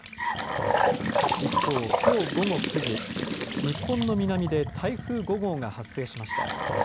一方、きょう午後９時日本の南で台風５号が発生しました。